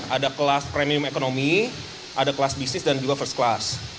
ada kelas premium ekonomi ada kelas bisnis dan juga first class